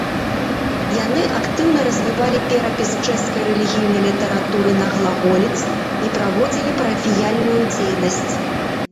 Яны актыўна развівалі перапіс чэшскай рэлігійнай літаратуры на глаголіцы і праводзілі парафіяльную дзейнасць.